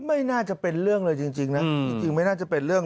ไม่น่าจะเป็นเรื่องเลยจริงนะ